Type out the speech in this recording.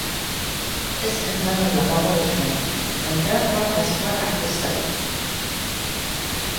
This enzyme is a homotetramer, and therefore has four active sites.